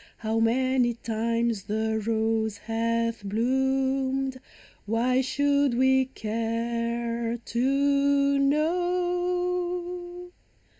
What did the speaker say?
How many times the rose hath bloomed, Why should we care to know